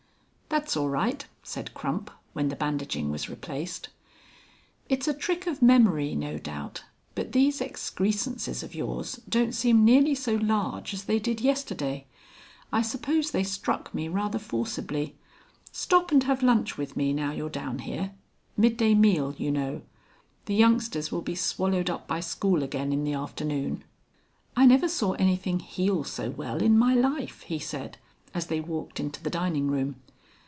XXIX. "That's all right," said Crump when the bandaging was replaced. "It's a trick of memory, no doubt, but these excrescences of yours don't seem nearly so large as they did yesterday. I suppose they struck me rather forcibly. Stop and have lunch with me now you're down here. Midday meal, you know. The youngsters will be swallowed up by school again in the afternoon." "I never saw anything heal so well in my life," he said, as they walked into the dining room.